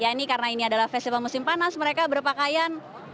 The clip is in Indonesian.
ya ini karena ini adalah festival musim panas mereka berpakaian